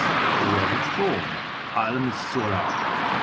The World of Form (Alam i HUrat).